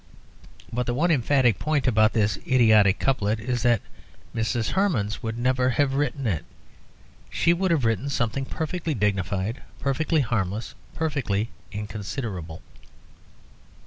But the one emphatic point about this idiotic couplet is that Mrs. Hemans would never have written it. She would have written something perfectly dignified, perfectly harmless, perfectly inconsiderable.